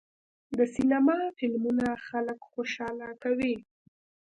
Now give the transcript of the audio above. د سینما فلمونه خلک خوشحاله کوي.